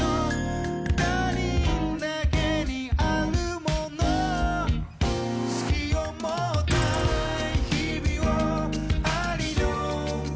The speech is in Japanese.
「他人だけにあるもの」「“好き”を持った日々をありのままで」